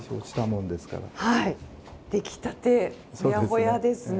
出来たてほやほやですね。